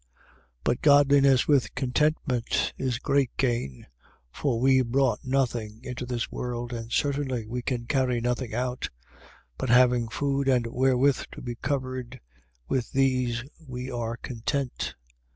6:6. But godliness with contentment is great gain. 6:7. For we brought nothing into this world: and certainly we can carry nothing out. 6:8. But having food and wherewith to be covered, with these we are content.